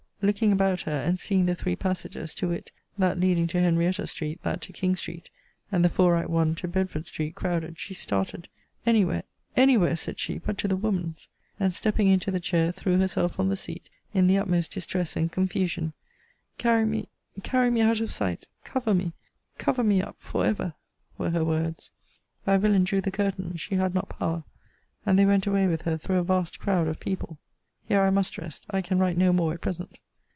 Looking about her, and seeing the three passages, to wit, that leading to Henrietta street, that to King street, and the fore right one, to Bedford street, crowded, she started Any where any where, said she, but to the woman's! And stepping into the chair, threw herself on the seat, in the utmost distress and confusion Carry me, carry me out of sight cover me cover me up for ever were her words. Thy villain drew the curtain: she had not power: and they went away with her through a vast crowd of people. Here I must rest. I can write no more at present.